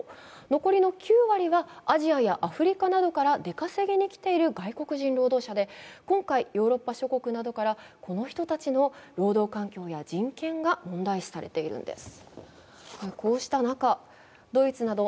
残りの９割はアジアやアフリカなどから出稼ぎに来ている外国人労働者で、今回、ヨーロッパ諸国などからこの人たちの労働環境や人権が問題視されているんです。